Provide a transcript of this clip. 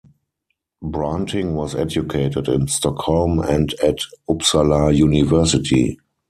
Branting was educated in Stockholm and at Uppsala University.